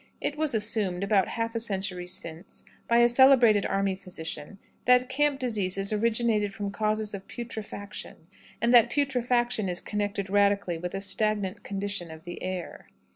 It was assumed, about half a century since, by a celebrated army physician, that camp diseases originated from causes of putrefaction, and that putrefaction is connected radically with a stagnant condition of the air.